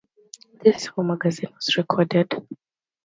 This is how "Magazine" was recorded.